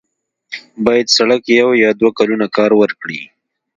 باید سړک یو یا دوه کلونه کار ورکړي.